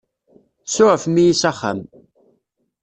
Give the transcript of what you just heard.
Tsuɛfem-iyi s axxam.